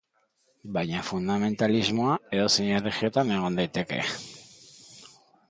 Baina fundamentalismoa edozein erlijiotan egon daiteke.